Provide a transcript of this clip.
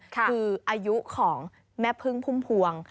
คืออายุของแม่พึ่งพุ่มพวง